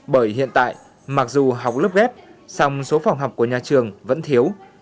bởi hiện tại mặc dù học lớp ghép song số phòng học của nhà trường vẫn thiếu